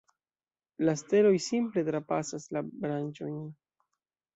La steloj simple trapasas la branĉojn.